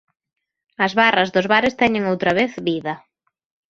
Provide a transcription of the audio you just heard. As barras dos bares teñen, outra vez, vida.